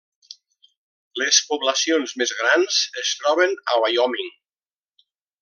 Les poblacions més grans es troben a Wyoming.